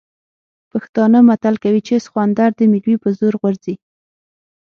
پښتانه متل کوي چې سخوندر د مېږوي په زور غورځي.